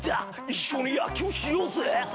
一緒に野球しようぜ！